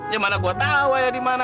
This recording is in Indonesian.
ya mana gue tau ayah dimana